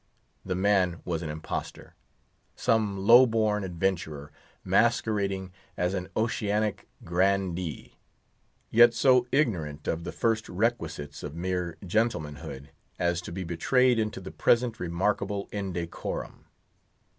The man was an impostor. Some low born adventurer, masquerading as an oceanic grandee; yet so ignorant of the first requisites of mere gentlemanhood as to be betrayed into the present remarkable indecorum.